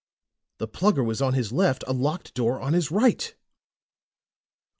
The Plugger was on his left, a locked door on his right!